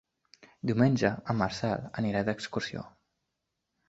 Diumenge en Marcel anirà d'excursió.